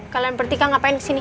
kalian bertika ngapain kesini